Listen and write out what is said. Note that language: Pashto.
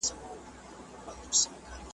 روغتیا د انسان د فزیکي او ذهني ارامتیا اساس دی.